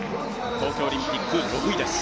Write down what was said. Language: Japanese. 東京オリンピック６位です。